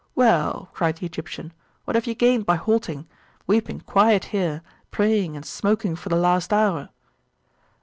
Well, cried the Egyptian, what have ye gained by halting? We have been quiet here, praying and smoking for the last hour!